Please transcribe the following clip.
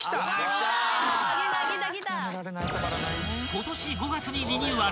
［今年５月にリニューアル］